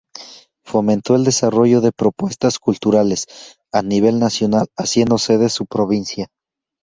Fomentó el desarrollo de propuestas culturales a nivel nacional haciendo sede su provincia.